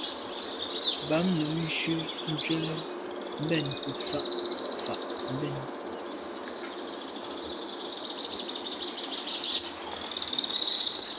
Bam num njù njwèle mbèn nke nfà’ fà’ ben.